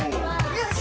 よし！